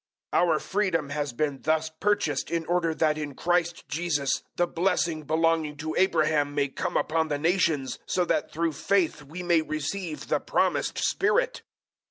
003:014 Our freedom has been thus purchased in order that in Christ Jesus the blessing belonging to Abraham may come upon the nations, so that through faith we may receive the promised Spirit.